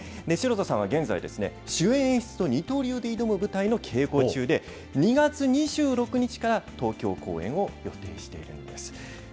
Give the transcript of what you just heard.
城田さんは現在、主演、演出と二刀流で挑む舞台の稽古中で、２月２６日から東京公演を予定しているんです。